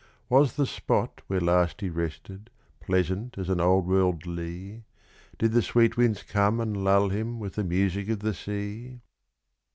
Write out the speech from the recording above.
Was the spot where last he rested pleasant as an old world lea? Did the sweet winds come and lull him with the music of the sea?